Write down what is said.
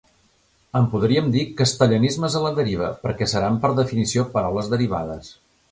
En podríem dir "castellanismes a la deriva", perquè seran per definició paraules derivades.